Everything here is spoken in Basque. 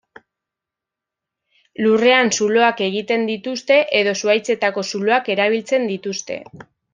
Lurrean zuloak egiten dituzte edo zuhaitzetako zuloak erabiltzen dituzte.